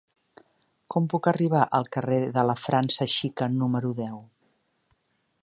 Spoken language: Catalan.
Com puc arribar al carrer de la França Xica número deu?